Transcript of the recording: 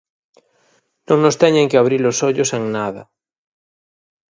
Non nos teñen que abrir os ollos en nada.